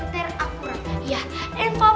terakhir ya info penting